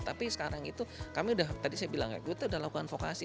tapi sekarang itu kami sudah tadi saya bilang ya kita sudah lakukan vokasi